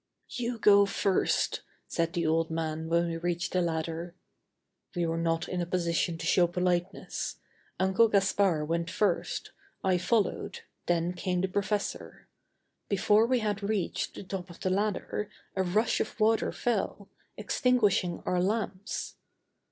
"You go first," said the old man when we reached the ladder. We were not in a position to show politeness. Uncle Gaspard went first, I followed, then came the professor. Before we had reached the top of the ladder a rush of water fell, extinguishing our lamps.